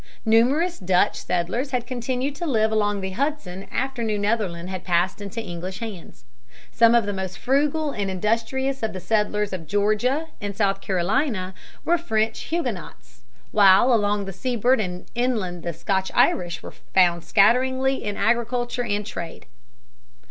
Numerous Dutch settlers had continued to live along the Hudson after New Netherland had passed into English hands. Some of the most frugal and industrious of the settlers of Georgia and South Carolina were French Huguenots, while along the seaboard and inland the Scotch Irish were found scatteringly in agriculture and trade.